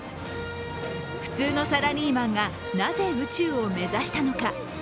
普通のサラリーマンがなぜ、宇宙を目指したのか。